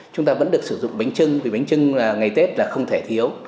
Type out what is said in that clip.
chúng ta vẫn được sử dụng bánh trưng vì bánh trưng là ngày tết là không thể thiếu